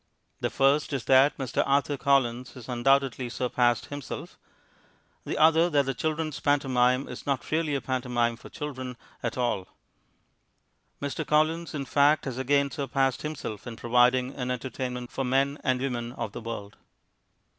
The first is that Mr. Arthur Collins has undoubtedly surpassed himself; the other, that "the children's pantomime" is not really a pantomime for children at all. Mr. Collins, in fact, has again surpassed himself in providing an entertainment for men and women of the world.